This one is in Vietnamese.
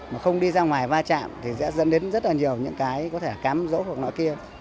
mà không đi ra ngoài va chạm thì sẽ dẫn đến rất là nhiều những cái có thể là cám dỗ hoặc nỗi kia